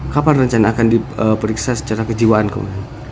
kapan rencana akan diperiksa secara kejiwaan kemudian